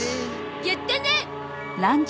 やったね！